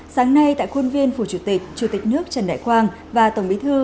sáng nay tại khuôn viên phủ chủ tịch chủ tịch nước trần đại quang và tổng bí thư